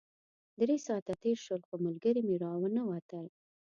درې ساعته تېر شول خو ملګري مې راونه وتل.